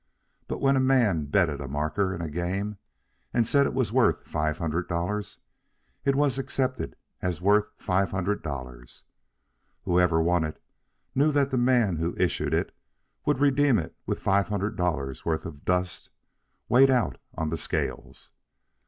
But when a man betted a marker in a game and said it was worth five hundred dollars, it was accepted as worth five hundred dollars. Whoever won it knew that the man who issued it would redeem it with five hundred dollars' worth of dust weighed out on the scales.